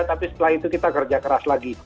tapi setelah itu kita kerja keras lagi